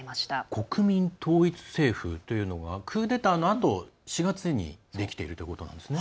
国民統一政府というのはクーデターのあと４月に、できているということなんですね。